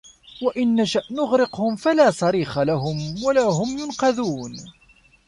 وَإِن نَشَأ نُغرِقهُم فَلا صَريخَ لَهُم وَلا هُم يُنقَذونَ